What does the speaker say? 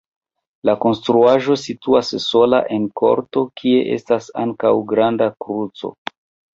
La konstruaĵo situas sola en korto, kie estas ankaŭ granda kruco.